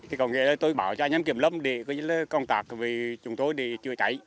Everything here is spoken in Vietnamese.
thì có nghĩa là tôi bảo cho anh em kiểm lâm để công tác với chúng tôi để chữa cháy